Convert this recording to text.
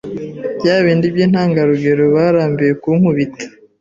bya bindi by’intangarugero, barambiwe kunkubita